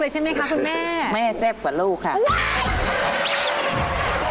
ใช่ไหมคะคุณแม่เสพกว่าลูกค่ะอะไร